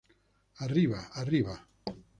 ¡ arriba!... ¡ arriba!...